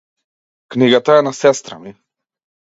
Книгата е на сестра ми.